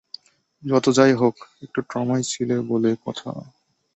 যত যাই হোক, একটু ট্রমায় ছিলে বলে কথা।